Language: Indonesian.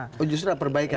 oh justru ada perbaikan